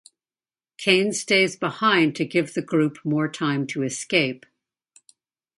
Kane stays behind to give the group more time to escape.